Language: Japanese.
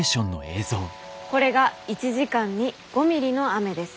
これが１時間に５ミリの雨です。